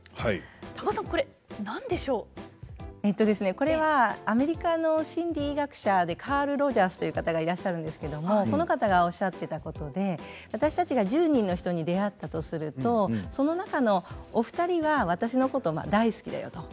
これはアメリカの心理学者でカール・ロジャーズという方がいらっしゃるんですけどもこの方がおっしゃってたことで私たちが１０人の人に出会ったとするとその中のお二人は私のこと大好きだよと。